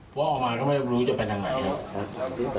เพราะออกมาก็ไม่รู้จะไปทางไหน